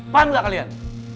paham gak kalian